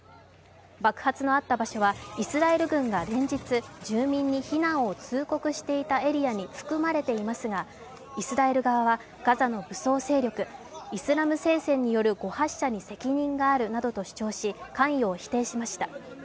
爆発のあった場所はイスラエル軍が連日住民に避難を通告していたエリアに含まれていますがイスラエル側はガザの武装勢力イスラム聖戦による誤発射に責任があるなどと主張し、関与を否定しました。